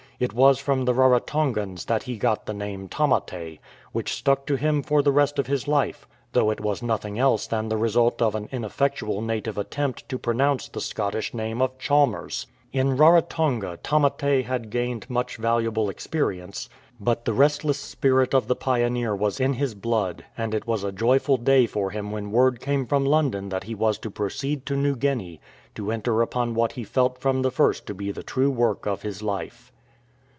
It was from the Rarotongans that he got the name "Tamate," which stuck to him for the rest of his life, though it was nothing else than the result of an ineffectual native attempt to pronounce the Scottish name of " Chalmers." In Rarotonga Tamate had gained much valuable experience ; but the restless spirit of the 286 TREE DWELLINGS pioneer was in his blood, and it was a joyful day for him when word came from London that he was to proceed to New Guinea to enter upon what he felt from the first to be the true work of his life.